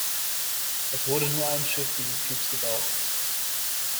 Es wurde nur ein Schiff dieses Typs gebaut.